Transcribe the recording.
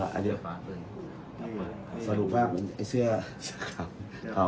ส่วนสุดท้ายส่วนสุดท้าย